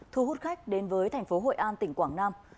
thu hút khách đến với thành phố hội an tỉnh quảng nam